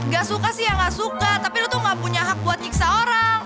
ga suka sih yang ga suka tapi lu tuh ga punya hak buat nyiksa orang